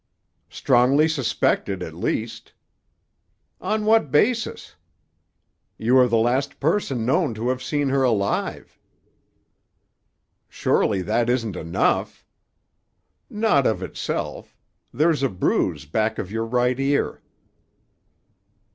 "Strongly suspected, at least." "On what basis?" "You are the last person known to have seen her alive." "Surely that isn't enough?" "Not of itself. There's a bruise back of your right ear."